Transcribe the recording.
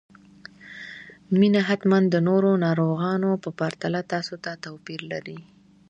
مينه حتماً د نورو ناروغانو په پرتله تاسو ته توپير لري